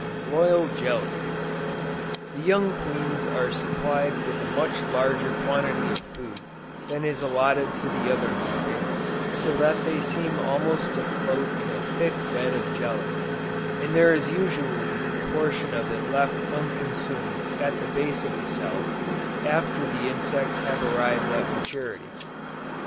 ROYAL JELLY. The young queens are supplied with a much larger quantity of food than is allotted to the other larvæ, so that they seem almost to float in a thick bed of jelly, and there is usually a portion of it left unconsumed at the base of the cells, after the insects have arrived at maturity.